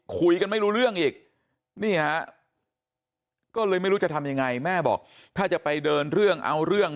คุยกันไม่รู้เรื่องอีกนี่ฮะก็เลยไม่รู้จะทำยังไงแม่บอกถ้าจะไปเดินเรื่องเอาเรื่อง